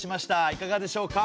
いかがでしょうか？